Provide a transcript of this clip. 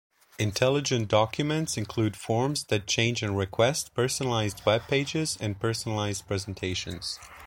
Intelligent documents include forms that change on request, personalized web pages, and personalised presentations.